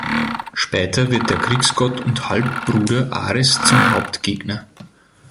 Später wird der Kriegsgott und Halbbruder Ares zum Hauptgegner.